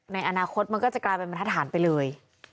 ในอนาคตมันก็จะกลายเป็นบรรทฐานไปเลย